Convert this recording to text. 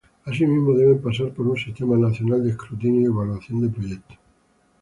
Asimismo, deben pasar por un sistema nacional de escrutinio y evaluación de proyectos.